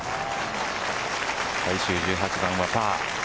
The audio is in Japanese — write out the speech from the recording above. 最終１８番はパー。